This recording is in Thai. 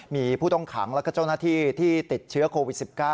มีผู้ต้องขังแล้วก็เจ้าหน้าที่ที่ติดเชื้อโควิด๑๙